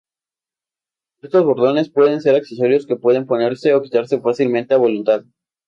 Estos bordones pueden ser accesorios que pueden ponerse o quitarse fácilmente a voluntad.